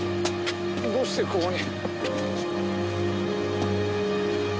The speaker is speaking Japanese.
どうしてここに。